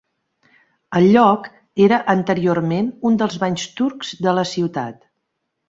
El lloc era anteriorment un dels banys turcs de la ciutat.